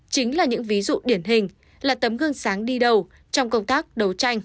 chính là những ví dụ điển hình là tấm gương sáng đi đầu trong công tác đấu tranh